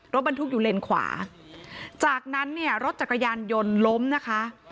รถบรรทุกอยู่เลนขวาจากนั้นเนี่ยรถจักรยานยนต์ล้มนะคะ